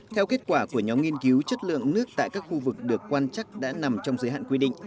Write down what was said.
theo kết quả của nhóm nghiên cứu chất lượng nước tại các khu vực được quan chắc đã nằm trong giới hạn quy định